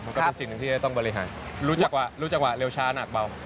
ก็เป็นสิ่งหนึ่งที่จะต้องบริหารรู้จังหวะเร็วช้าหนักเบา